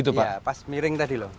iya pas miring tadi